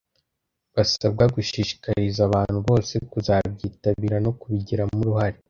basabwa gushishikariza abantu bose kuzabyitabira no kubigiramo uruhare